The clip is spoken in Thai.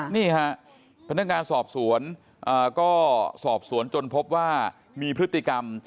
นี่ฮะพนักงานสอบสวนก็สอบสวนจนพบว่ามีพฤติกรรม